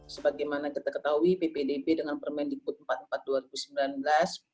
sebagaimana kita ketahui ppdb dengan permendikbud empat puluh empat dua ribu sembilan belas